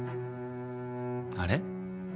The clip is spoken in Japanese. あれ？